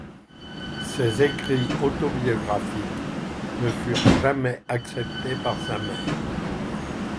Ses écrits autobiographiques ne furent jamais acceptés par sa mère.